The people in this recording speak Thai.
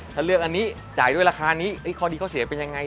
ถ้าเลือกอันนี้จ่ายด้วยราคานี้ข้อดีข้อเสียเป็นยังไง